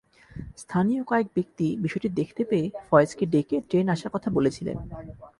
স্থানীয় কয়েক ব্যক্তি বিষয়টি দেখতে পেয়ে ফয়েজকে ডেকে ট্রেন আসার কথা বলেছিলেন।